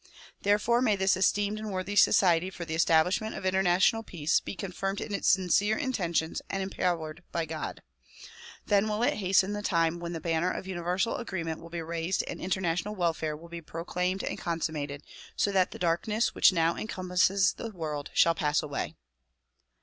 Therefore may this esteemed and worthy society for the establish ment of international peace be confirmed in its sincere intentions and empowered by God. Then will it hasten the time when the banner of universal agreement will be raised and international welfare will be proclaimed and consummated so that the darkness which now encompasses the world shall pass away.